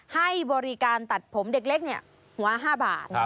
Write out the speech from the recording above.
ให้บริการตัดผมเด็กเล็กเนี่ยหัว๕บาท